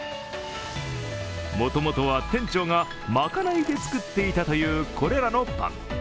もともとは、店長がまかないで作っていたというこれらのパン。